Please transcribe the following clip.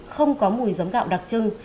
không có mùi giấm gạo đặc trưng